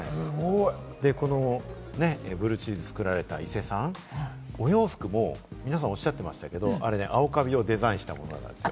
このブルーチーズ作られた伊勢さん、お洋服も皆さんおっしゃってましたけれども、あれ青カビをデザインしたものなんですよ。